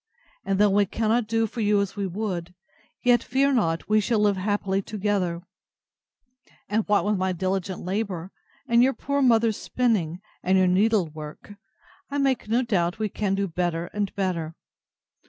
And though we cannot do for you as we would, yet, fear not, we shall live happily together; and what with my diligent labour, and your poor mother's spinning, and your needle work, I make no doubt we shall do better and better.